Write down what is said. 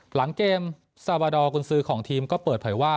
หลังเกมซาวาดอร์กุญซือของทีมก็เปิดเผยว่า